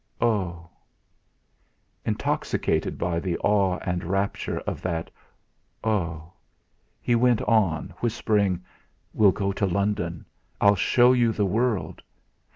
"Oh!" Intoxicated by the awe and rapture in that "Oh!" he went on, whispering: "We'll go to London. I'll show you the world.